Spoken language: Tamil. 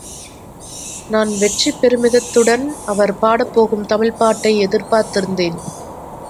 நான் வெற்றிப் பெருமிதத்துடன் அவர் பாடப்போகும் தமிழ்ப்பாட்டை எதிர்பார்த்திருந்தேன்.